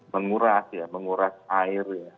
mengurah mengurah air